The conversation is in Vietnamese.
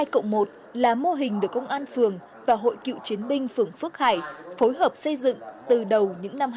hai cộng một là mô hình được công an phường và hội cựu chiến binh phường phước hải phối hợp xây dựng từ đầu những năm hai nghìn